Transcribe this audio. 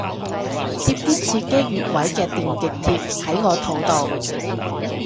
貼啲刺激穴位嘅電極貼喺個肚度